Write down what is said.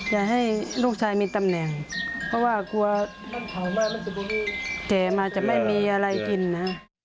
อยากให้ลูกชายมีตำแหน่งเพราะว่ากลัวมากแต่มาจะไม่มีอะไรกินนะ